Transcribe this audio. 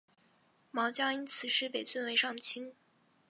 茅焦因此事被尊为上卿。